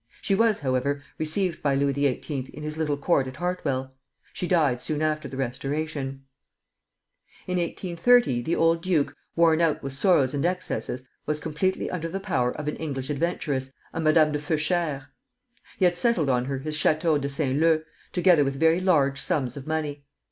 She was, however, received by Louis XVIII. in his little court at Hartwell. She died soon after the Restoration. In 1830 the old duke, worn out with sorrows and excesses, was completely under the power of an English adventuress, a Madame de Feuchères. He had settled on her his Château de Saint Leu, together with very large sums of money.